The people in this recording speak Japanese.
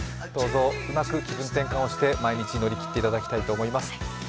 どうぞうまく気分転換をして、毎日乗り切っていただきたいと思います。